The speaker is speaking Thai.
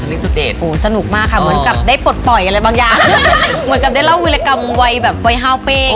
เลือกใหม่ไปไหนก่อน